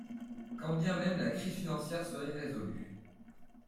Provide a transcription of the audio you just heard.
Quand bien même la crise financière serait résolue.